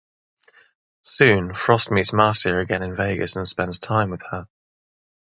Soon frost meets Marcia again in Vegas and spends time with her.